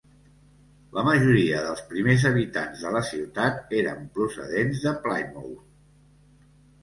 La majoria dels primers habitants de la ciutat eren procedents de Plymouth.